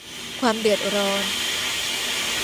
ความเดือดร้อน